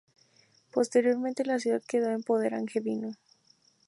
Posteriormente la ciudad quedó en poder angevino.